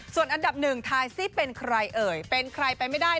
ส่วนอันดับหนึ่งทายซิเป็นใครเอ่ยเป็นใครไปไม่ได้